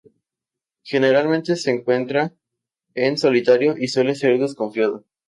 Generalmente se encuentra en solitario y suele ser desconfiado.